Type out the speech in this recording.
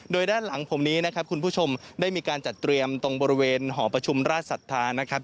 โดยด้านหลังผมนี้นะครับคุณผู้ชมได้มีการจัดเตรียมตรงบริเวณหอประชุมราชศรัทธานะครับ